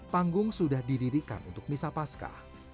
panggung sudah didirikan untuk misa pasca